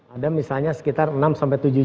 ada misalnya sekitar enam sampai tujuh